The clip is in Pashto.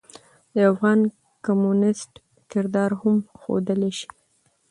د يوافغان کميونسټ کردار هم ښودلے شي.